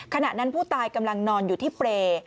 ขณะนั้นผู้ตายกำลังนอนอยู่ที่เปรย์